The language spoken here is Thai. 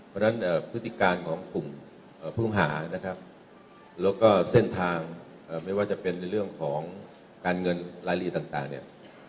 เพราะฉะนั้นพฤติการของกลุ่มผู้ต้องหานะครับแล้วก็เส้นทางไม่ว่าจะเป็นในเรื่องของการเงินรายละเอียดต่างเนี่ย